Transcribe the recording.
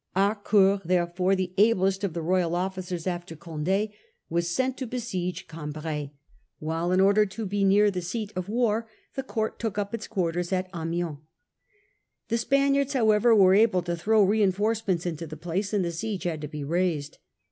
Harcourt therefore, the ablest of the royal officers after Conde, was sent to besiege Cambrai, while in order to be near the seat of war the court took up its quarters at Amiens. The Sj^miards 48 The Parliamentary Fronde . 1649 however were able to throw reinforcements into the place and the siege had to be raised.